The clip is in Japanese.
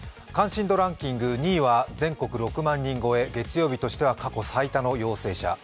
関心度ランキング２位は全国６万人超え、月曜日としては過去最多の陽性者。